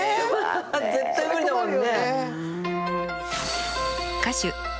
絶対無理だもんね。